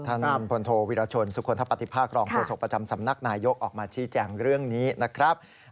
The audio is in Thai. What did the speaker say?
ท่านพลโทวิรชนสุคลทปฏิภาครองโฆษกประจำสำนักนายยกออกมาชี้แจงเรื่องนี้นะครับ